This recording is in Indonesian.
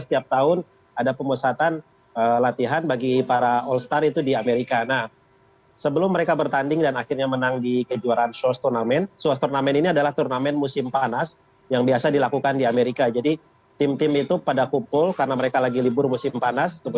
tim putri honda di bl all star dua ribu dua puluh dua berhasil menjadi juara suls turnamen yang digelar di california amerika serikat pada minggu